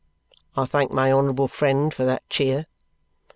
(I thank my honourable friend for that cheer.)